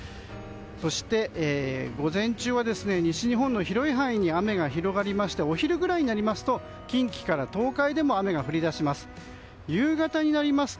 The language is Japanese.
そして、午前中は西日本の広い範囲に雨が広がりましてお昼ぐらいになりますと近畿から東海でも雨が降り出します。